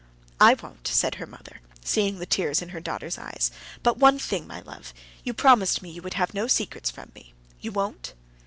"I won't," said her mother, seeing the tears in her daughter's eyes; "but one thing, my love; you promised me you would have no secrets from me. You won't?"